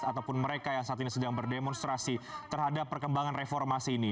ataupun mereka yang saat ini sedang berdemonstrasi terhadap perkembangan reformasi ini